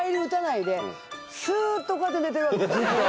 スっとこうやって寝てるわけずっと。